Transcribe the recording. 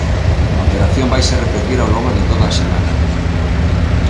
A operación vaise repetir ao longo de toda a semana.